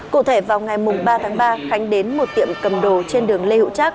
cụ thể vào ngày ba tháng ba khánh đến một tiệm cầm đồ trên đường lê hữu trác